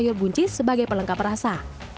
lalu tambahkan sayur buncis sebagai pelengkap rasa